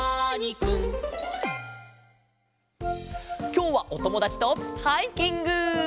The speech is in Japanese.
きょうはおともだちとハイキング！